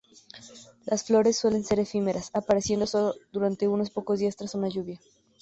Las flores suelen ser efímeras, apareciendo sólo durante unos pocos días tras una lluvia.